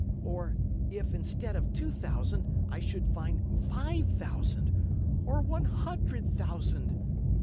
Or if, instead of two thousand, I should find five thousand or one hundred thousand?